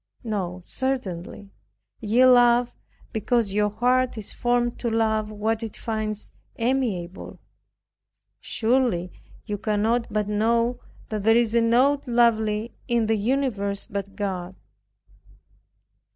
No, certainly. Ye love because your heart is formed to love what it finds amiable. Surely you cannot but know that there is nought lovely in the universe but God.